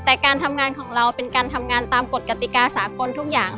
แต่การทำงานของเราเป็นการทำงานตามกฎกติกาสากลทุกอย่าง